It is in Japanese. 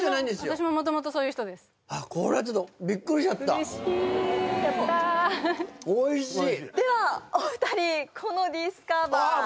私も元々そういう人ですあっこれはちょっと嬉しいやったおいしいではお二人このディスカバーああ